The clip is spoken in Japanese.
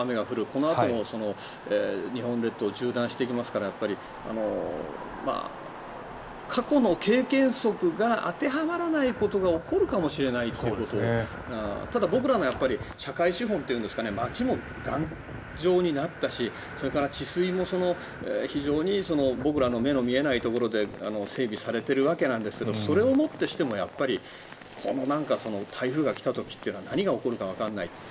このあと、日本列島を縦断していきますから過去の経験則が当てはまらないことが起こるかもしれないってことをただ、僕らの社会資本というか街も頑丈になったしそれから治水も、非常に僕らの目の見えないところで整備されているわけなんですがそれをもってしてもやっぱりこの台風が来た時というのは何が起こるかわからない。